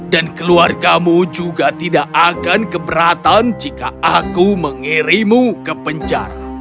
dan keluargamu juga tidak akan keberatan jika aku mengirimu ke penjara